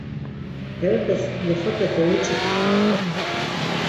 Berepes yoxope dovuç̌itxi.